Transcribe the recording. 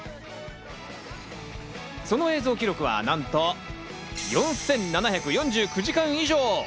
その映像記録は、なんと４７４９時間以上。